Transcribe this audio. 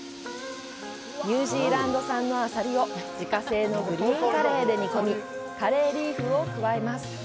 ニュージーランド産のあさりを自家製のグリーンカレーで煮込み、カレーリーフを加えます。